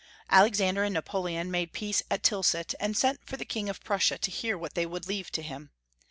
Alexander and Napoleon made peace at Tilsit, and sent for the King of Prussia to hear what they would leave to him.